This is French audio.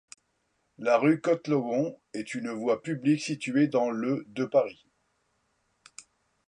La rue Coëtlogon est une voie publique située dans le de Paris.